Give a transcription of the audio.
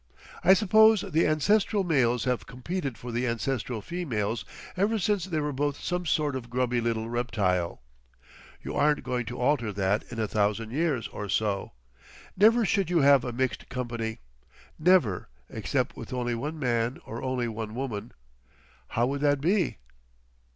I suppose the ancestral males have competed for the ancestral females ever since they were both some sort of grubby little reptile. You aren't going to alter that in a thousand years or so.... Never should you have a mixed company, never—except with only one man or only one woman. How would that be?...